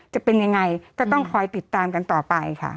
จะเป็นยังไงก็ต้องคอยติดตามกันต่อไปค่ะ